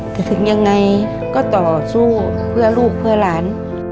แต่ถึงยังไงก็ต่อสู้เพื่อลูกเพื่อหลาน